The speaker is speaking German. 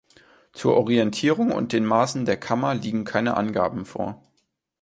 Zur Orientierung und den Maßen der Kammer liegen keine Angaben vor.